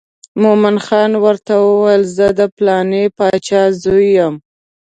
مومن خان ورته وویل زه د پلانې باچا زوی یم.